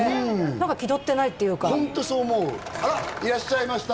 何か気取ってないというかホントそう思うあらいらっしゃいました